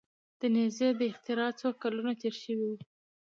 د نیزې د اختراع څو کلونه تیر شوي وو.